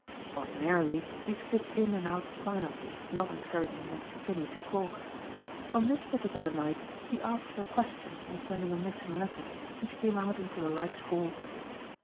Ordinarily he slipped in and out silently, not encouraging Mrs. Kinney to talk. On this particular night he asked her a question concerning a missing letter and she came out into the lighted hall.